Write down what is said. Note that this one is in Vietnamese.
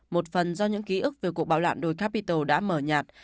một phần do những ký ức về cuộc bạo lạm đôi capitol đã mở nhạt